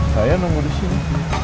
saya nunggu di sini